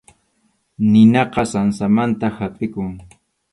Ninaqa sansamanta hapʼikun.